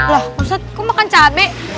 lah pak ustaz kok makan cabai